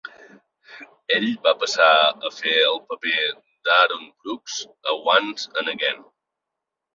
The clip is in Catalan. Ell va passar a fer el paper d'Aaron Brooks a "Once and Again".